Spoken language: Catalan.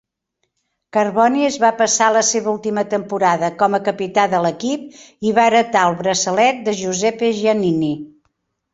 Carboni es va passar la seva última temporada com a capità de l'equip i va heretar el braçalet de Giuseppe Giannini.